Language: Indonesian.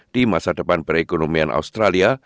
di masa depan perekonomian australia